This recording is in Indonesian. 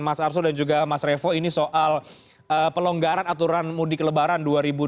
mas arsul dan juga mas revo ini soal pelonggaran aturan mudik lebaran dua ribu dua puluh